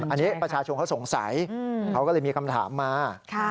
อันนี้ประชาชนเขาสงสัยเขาก็เลยมีคำถามมา